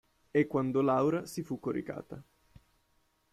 E quando Laura si fu coricata.